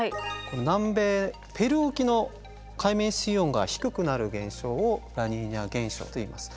南米ペルー沖の海面水温が低くなる現象をラニーニャ現象といいます。